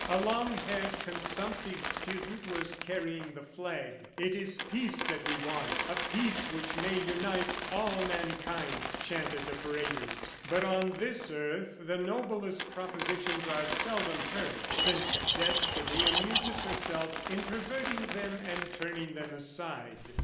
A long haired, consumptive student was carrying the flag. "It is peace that we want a peace which may unite all mankind," chanted the paraders. But on this earth, the noblest propositions are seldom heard, since Destiny amuses herself in perverting them and turning them aside.